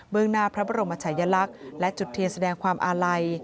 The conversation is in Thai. งหน้าพระบรมชายลักษณ์และจุดเทียนแสดงความอาลัย